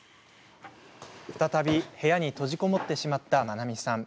再び部屋に閉じこもってしまったまなみさん。